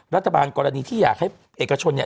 กรณีที่อยากให้เอกชนเนี่ย